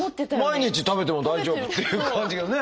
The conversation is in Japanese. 毎日食べても大丈夫っていう感じがね。